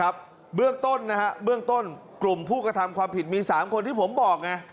เบื้องต้นกลุ่มผู้กระทำความผิดมี๓คนที่ผมบอก